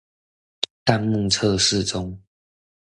彈幕測試中